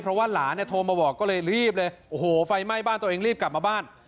เพราะว่าหลานเนี่ยโทรมาบอกก็เลยรีบเลยโอ้โหไฟไหม้บ้านตัวเองรีบกลับมาบ้าน